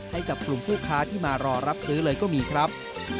ให้กับกลุ่มผู้ค้าที่มารอรับซื้อเลยก็มีครับ